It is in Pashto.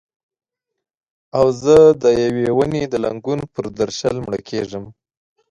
او زه د یوې ونې د لنګون پر درشل مړه کیږم